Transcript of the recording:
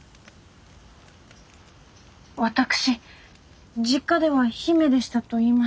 私実家では姫でしたと言いましたよね。